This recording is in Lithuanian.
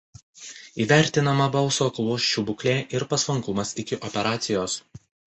Įvertinama balso klosčių būklė ir paslankumas iki operacijos.